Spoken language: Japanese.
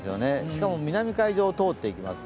しかも南海上を通っていきます。